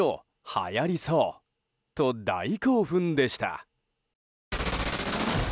はやりそうと大興奮でした。